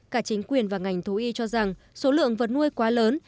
cả chính quyền và ngành thú y cho rằng số lượng vật nuôi quá lớn